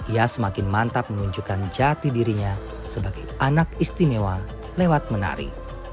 ia semakin mantap menunjukkan jati dirinya sebagai anak istimewa lewat menari